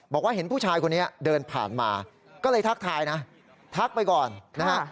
บอกว่าเห็นผู้ชายคนนี้เดินผ่านมาก็เลยทักทายนะทักไปก่อนนะฮะ